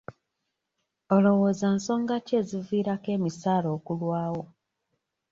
Olowooza nsonga ki eziviirako emisaala okulwawo.